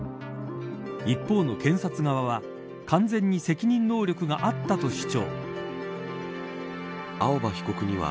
一方の検察側は完全に責任能力があったと主張。